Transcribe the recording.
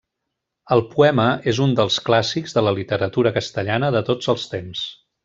El poema és un dels clàssics de la literatura castellana de tots els temps.